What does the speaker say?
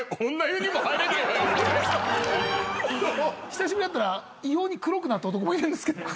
久しぶりに会ったら異様に黒くなった男もいるんですけど。